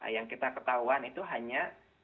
yang kita ketahuan itu hanya